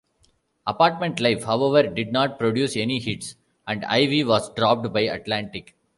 "Apartment Life", however, did not produce any hits, and Ivy was dropped by Atlantic.